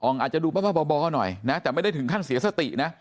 อาจจะดูบ้าบ่อหน่อยนะแต่ไม่ได้ถึงขั้นเสียสตินะ